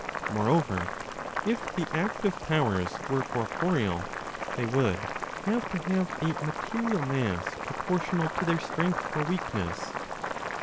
Moreover, if the active powers were corporeal, they would have to have a material mass proportional to their strength or weakness.